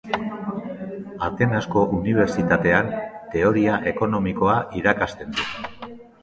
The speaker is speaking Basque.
Atenasko Unibertsitatean Teoria Ekonomikoa irakasten du.